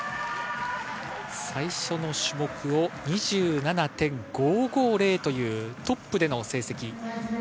最初の種目を２７．５５０というトップでの成績。